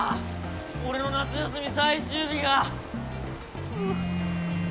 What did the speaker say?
俺の夏休み最終日が！